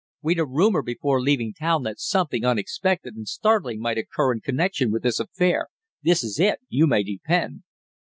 "We'd a rumour before leaving town that something unexpected and startling might occur in connection with this affair. This is it, you may depend."